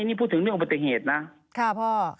นี้พูดถึงเรื่องปฏิเหตุนะ